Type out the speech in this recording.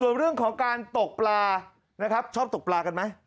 ส่วนเรื่องของการตกปลานะครับชอบตกปลากันไหม